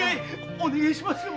お願いしますよ。